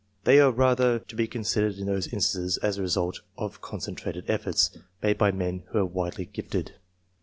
They are rather to be considered in those instances as the result of con centrated efforts, made by men who are widely gifted.